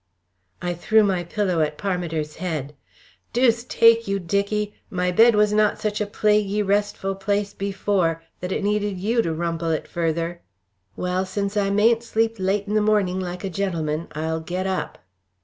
I threw my pillow at Parmiter's head. "Deuce take you, Dicky! My bed was not such a plaguey restful place before that it needed you to rumple it further. Well, since I mayn't sleep late i' the morning like a gentleman, I'll get up."